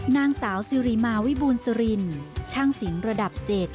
นางสาวสิริมาวิบูรสุรินช่างศิลป์ระดับ๗